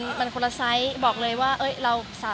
มีปิดฟงปิดไฟแล้วถือเค้กขึ้นมา